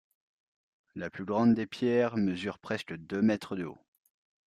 La plus grande des pierres mesure presque deux mètres de haut.